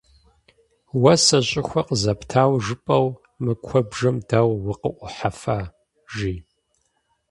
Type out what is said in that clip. - Уэ сэ щӀыхуэ къызэптауэ жыпӀэу, мы куэбжэм дауэ укъыӀухьэфа, – жи.